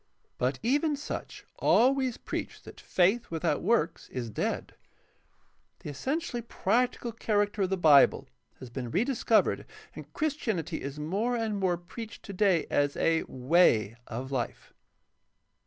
But even such always preach that faith without works is dead. The essentially practical character of the Bible has been rediscovered and Christianity is more and more preached today as a ''Way" of life.